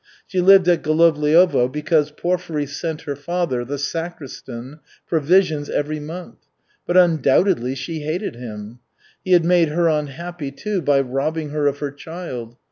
She lived at Golovliovo because Porfiry sent her father, the sacristan, provisions every month, but undoubtedly she hated him. He had made her unhappy, too, by robbing her of her child.